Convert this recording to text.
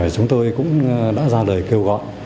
chúng tôi cũng đã ra đời kêu gọi